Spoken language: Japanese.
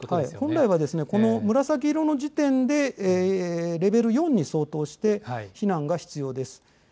本来はこの紫色の時点で、レベル４に相当して、避難が必要です。